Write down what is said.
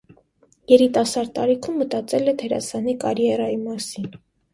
Երիտասարդ տարիքում մտածել է դերասանի կարիերայի մասին։